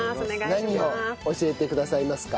何を教えてくださいますか？